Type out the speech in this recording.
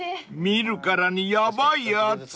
［見るからにヤバいやつ］